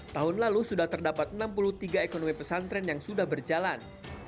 tahun lalu sudah terdapat enam puluh tiga ekonomi pesantren yang sudah berjalan